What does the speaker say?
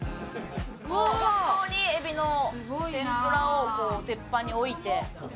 本当にえびの天ぷらを鉄板に置いて。